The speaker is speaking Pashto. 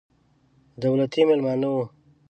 دولتي مېلمانه وو.